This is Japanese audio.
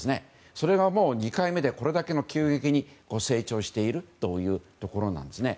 それがもう２回目でこれだけ急激に成長しているというところなんですね。